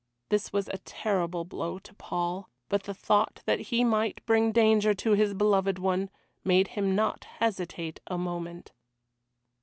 This was a terrible blow to Paul, but the thought that he might bring danger to his beloved one made him not hesitate a moment.